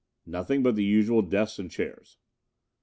"Nothing but the usual desks and chairs."